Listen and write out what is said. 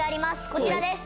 こちらです。